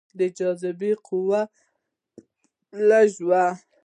د جاذبې قوه لږه وي.